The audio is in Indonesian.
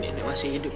nenek masih hidup